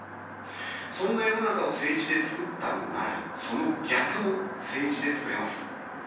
そんな世の中を政治で作ったのなら、その逆も政治で作れます。